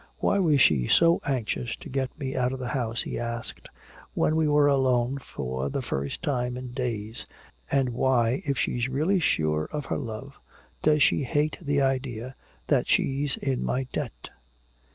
"Why was she so anxious to get me out of the house," he asked, "when we were alone for the first time in days? And why, if she's really sure of her love, does she hate the idea that she's in my debt?"